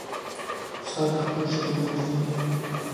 استاد د خپلو شاګردانو ستونزې اوري.